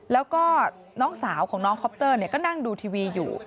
แล้วก็น้องสาวของน้องคอปเตอร์ก็นั่งดูทีวีอยู่